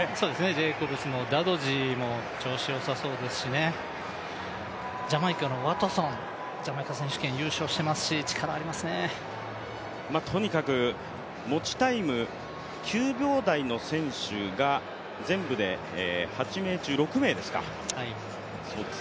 ジェイコブスもダドジーも調子よさそうですしね、ジャマイカのワトソン、ジャマイカ選手権優勝してますしとにかく持ちタイム９秒台の選手が全部で８名中６名ですか。